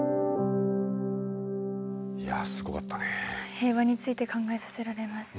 平和について考えさせられますね。